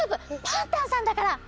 パンタンさんだから！